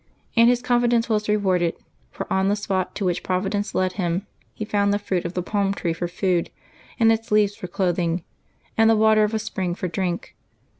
And his confidence was rewarded ; for on the spot to which Providence led him he found the fruit of the palm tree for food, and its leaves for clothing, and the water of a spring for drink.